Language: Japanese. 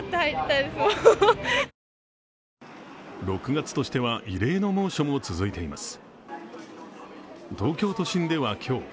６月としては異例の猛暑も続いています。